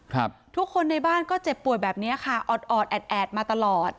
ทุกคนในบ้านก็เจ็บป่วยแบบเนี้ยค่ะออดออดแอดแอดมาตลอด